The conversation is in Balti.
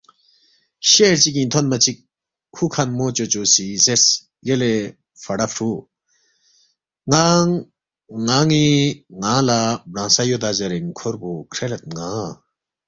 شہر چِگِنگ تھونما چِک ہُوکھنمو چوچو سی زیرس، یلے فڑا فرُو ننگ نن٘ی ننگ لہ برانگسہ یودا زیرین کھوربو کھریلید ن٘ا